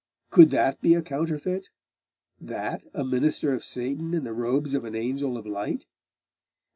Could that be a counterfeit? That a minister of Satan in the robes of an angel of light?